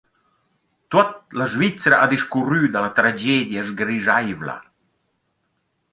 Tuot la Svizra ha discurrü da la tragedia sgrischaivla.